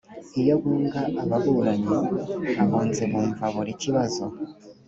iyo bunga ababuranyi abunzi bumva buri kibazo